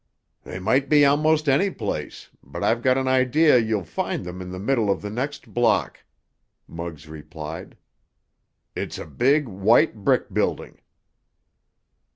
"They might be almost any place, but I've got an idea you'll find them in the middle of the next block," Muggs replied. "It's a big, white, brick building."